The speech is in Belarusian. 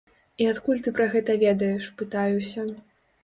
І адкуль ты пра гэта ведаеш, пытаюся.